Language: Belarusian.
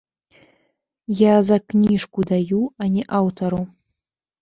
Я за кніжку даю, а не аўтару.